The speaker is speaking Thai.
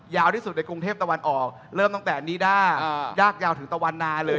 ยาวที่สุดในกรุงเทพตะวันออกเริ่มตั้งแต่นิด้ายากยาวถึงตะวันนาเลย